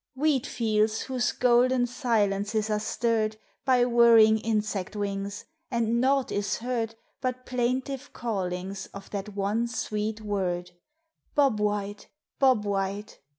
Wheat fields whose golden silences are stirred By whirring insect wings, and naught is heard But plaintive callings of that one sweet word, "Bob White! Bob White!"